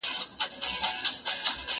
که څوک يوازې وي نو خپګان ورته پيدا کيږي.